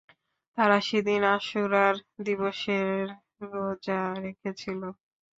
তাঁরা সেদিন আশুরার দিবসের রোযা রেখেছিল।